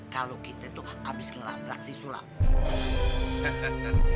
kalau kita tuh abis ngelabrak si sulaw